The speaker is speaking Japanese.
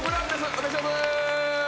お願いします。